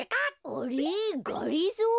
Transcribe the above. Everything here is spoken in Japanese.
あれっがりぞー？